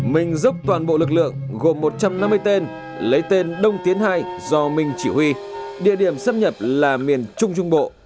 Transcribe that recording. minh dốc toàn bộ lực lượng gồm một trăm năm mươi tên lấy tên đông tiến hai do minh chỉ huy địa điểm xâm nhập là miền trung trung bộ